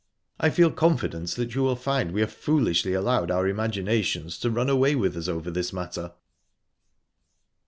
I feel confident that you will find we have foolishly allowed our imaginations to run away with us over this matter."